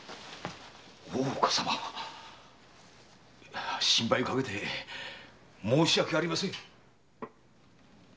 大岡様心配かけて申し訳ありません。